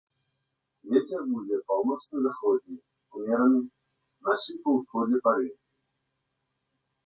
Вецер будзе паўночна-заходні ўмераны, уначы па ўсходзе парывісты.